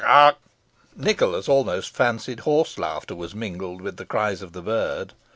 croak! croak! Nicholas almost fancied hoarse laughter was mingled with the cries of the bird.